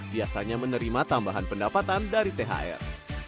biasanya menerima tambahan pendapatan dari thr